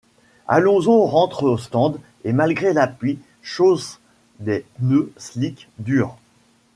Alonso rentre au stand et, malgré la pluie, chausse des pneus slicks durs.